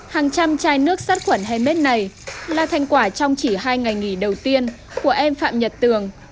hàng trăm chai nước sát khuẩn handmade này là thành quả trong chỉ hai ngày nghỉ đầu tiên của em phạm nhật tường